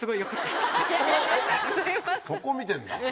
そこ見てんだ。